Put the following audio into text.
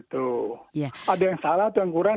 jadi adalah ter banana